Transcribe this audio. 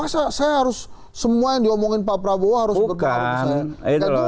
saya harus semua yang diomongin pak prabowo harus berpengaruh